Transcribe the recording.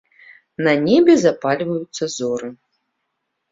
На небе запальваюцца зоры.